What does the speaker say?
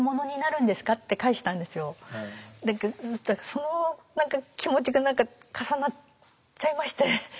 その気持ちが何か重なっちゃいまして。